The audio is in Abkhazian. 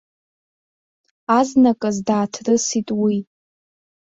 Азныказ дааҭрысит уи.